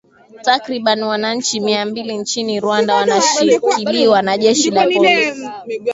takriban wananchi mia mbili nchini rwanda wanashikiliwa na jeshi la polisi